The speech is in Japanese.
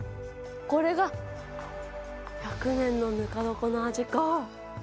これが、１００年のぬか床の味か。